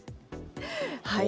はい。